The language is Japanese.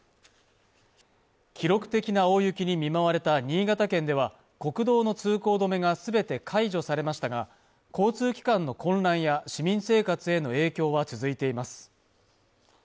記録的な大雪に見舞われた新潟県では国道の通行止めがすべて解除されましたが交通機関の混乱や市民生活への影響は続いています